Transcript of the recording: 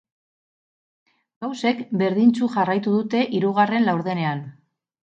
Gauzek bertdintsu jarraitu dute hirugarren laurdenean.